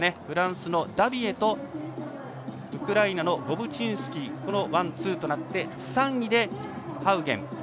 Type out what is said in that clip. フランスのダビエとウクライナのボブチンスキーのワン、ツーとなって３位でハウゲン。